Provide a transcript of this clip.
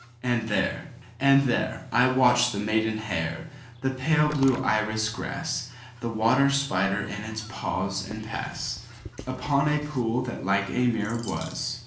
And there—and there—I watched the maiden hair, The pale blue iris grass, The water spider in its pause and passUpon a pool that like a mirror was.